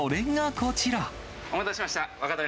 お待たせしました。